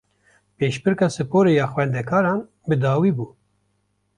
Pêşbirka sporê ya xwendekaran bi dawî bû